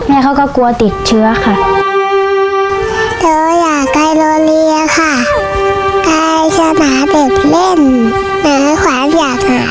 แม่เขาก็กลัวติดเชื้อค่ะ